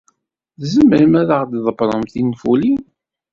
Tzemrem ad aɣ-d-tḍebbrem tinfulin?